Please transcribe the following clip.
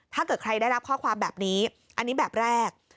ถ้าเกิดใครได้รับข้อความแบบนี้อันนี้แบบแรก